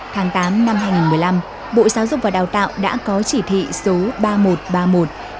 tháng tám năm hai nghìn một mươi năm bộ giáo dục và đào tạo đã có chỉ thị số ba nghìn một trăm ba mươi một